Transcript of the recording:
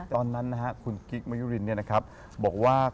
ตอนนั้นคุณกิ๊กมะยุรินบอกว่า